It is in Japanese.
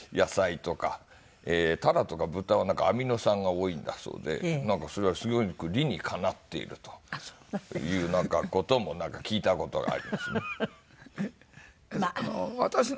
鱈とか豚はアミノ酸が多いんだそうでなんかそれがすごく理にかなっているという事も聞いた事がありますね。